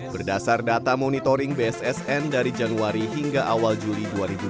berdasar data monitoring bssn dari januari hingga awal juli dua ribu dua puluh